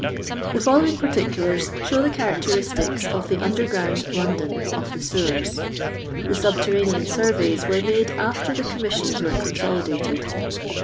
The following particuUrs show the charac teristics of the underground London of tlie nwen. The subterranean surveys were made after the commission! were consolidated.